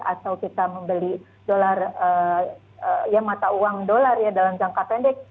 atau kita membeli mata uang dolar ya dalam jangka pendek